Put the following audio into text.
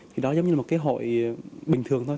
thì đó giống như một cái hội bình thường thôi